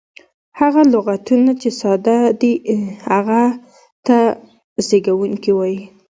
هغه لغتونه، چي ساده دي هغه ته زېږوونکی وایي.